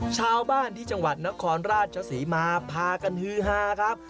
ชาวบ้านที่จังหวัดนครราชศรีมาพากันฮือฮาครับ